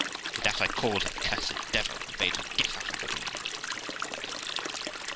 With that, I called her cursed devil, and bade her get out of the room.